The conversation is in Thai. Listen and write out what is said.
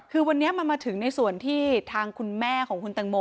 คือวันนี้มันมาถึงในส่วนที่ทางคุณแม่ของคุณตังโม